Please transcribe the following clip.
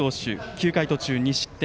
９回途中２失点。